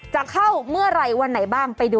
ใช้เมียได้ตลอด